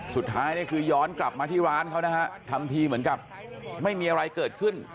สุดท้ายเนี่ยคือย้อนกลับมาที่ร้านเขานะฮะทำทีเหมือนกับไม่มีอะไรเกิดขึ้น